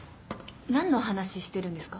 何の話してるんですか。